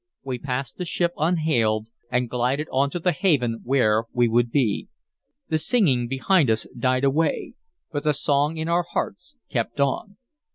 We passed the ship unhailed, and glided on to the haven where we would be. The singing behind us died away, but the song in our hearts kept on.